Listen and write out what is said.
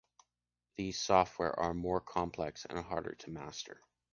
These software are more complex and harder to master.